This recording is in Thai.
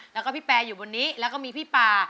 แล้วก็พี่แปรอยู่บนนี้แล้วก็มีพี่ป่า